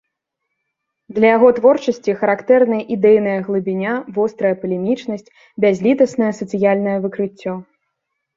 Для яго творчасці характэрны ідэйная глыбіня, вострая палемічнасць, бязлітаснае сацыяльнае выкрыццё.